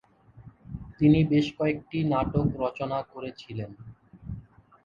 তিনি বেশ কয়েকটি নাটক রচনা করেছিলেন।